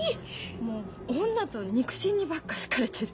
もう女と肉親にばっか好かれてる。